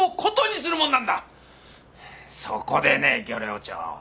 そこでね漁労長。